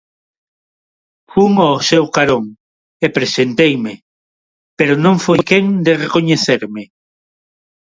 Fun ó seu carón e presenteime, pero non foi quen de recoñecerme.